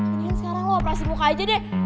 mendingan sekarang lo operasi muka aja deh